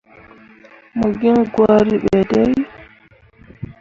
Mo giŋ gwari ɓe dai.